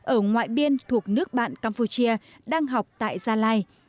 ở ngoại biên thuộc nước bạn campuchia đang học tại gia lai